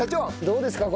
どうですか？